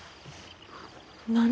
何？